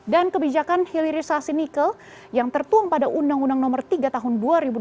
kebijakan hilirisasi nikel yang tertuang pada undang undang nomor tiga tahun dua ribu dua puluh